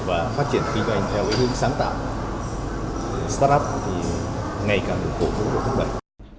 và phát triển kinh doanh theo hướng sáng tạo start up thì ngày càng được củng cố và thúc đẩy